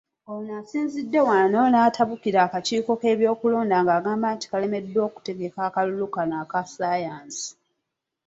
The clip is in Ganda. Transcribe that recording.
Ono asinzidde wano n'atabukira akakiiko k'ebyokulonda k'agamba nti kalemeddwa okutegeka akalulu kano aka Ssaayansi.